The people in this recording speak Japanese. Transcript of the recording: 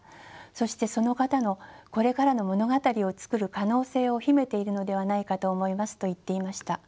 そしてその方のこれからの物語をつくる可能性を秘めているのではないかと思います」と言っていました。